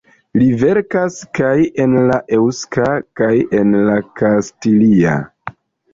Li verkas kaj en la eŭska kaj en la kastilia.